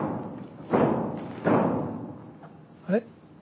あれ？